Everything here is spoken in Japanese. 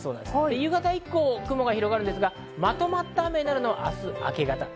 夕方以降、雲が広がるんですが、まとまった雨になるのは明日の明け方。